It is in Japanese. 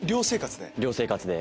寮生活で？